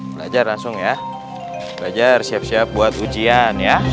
belajar lagi karena kan ujian ya